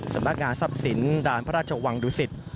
สำนักงานทรัพย์สินทร์ดารพระราชวังดุษฎิ